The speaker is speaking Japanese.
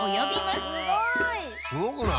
すごくない？